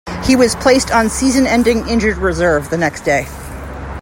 He was placed on season-ending injured reserve the next day.